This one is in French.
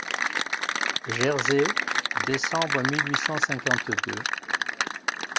Jersey, décembre mille huit cent cinquante-deux.